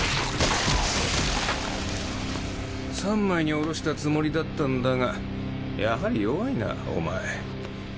３枚におろしたつもりだったんだがやはり弱いなお前。